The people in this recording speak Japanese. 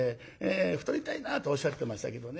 太りたいなっておっしゃってましたけどね。